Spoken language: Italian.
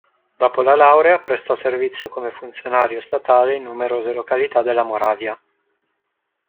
Dopo la laurea prestò servizio come funzionario statale in numerose località della Moravia.